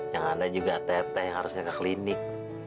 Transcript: yang ada juga tete harusnya ke klinik